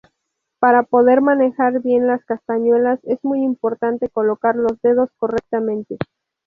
Para poder manejar bien las castañuelas es muy importante colocar los dedos correctamente.